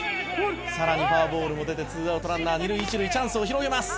「さらにフォアボールも出て２アウトランナー二塁一塁」「チャンスを広げます」